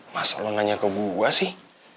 masa lo nanya ke buah sih